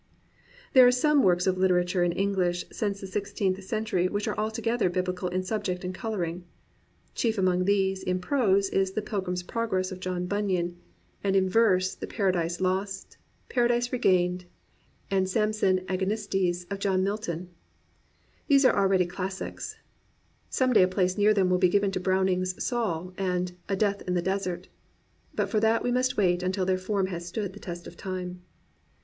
There are some works of literature in English since the sixteenth century which are altogether BibUcal in subject and colouring. Chief among these in prose is The Pilgrim^s Progress of John Bunyan, and 28 THE BOOK OF BOOKS in verse, the Paradise Lost, Paradise Regained^ and Samson Agonistes of John Milton. These are al ready classics. Some day a place near them will be given to Browning's Saul and A Deaih in the Desert; but for that we must wait until their form has stood the test of time.